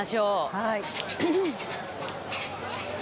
はい。